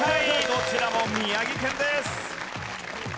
どちらも宮城県です。